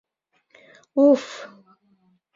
Уф-ф...